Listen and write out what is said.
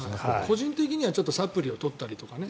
個人的にはサプリを取ったりとかね。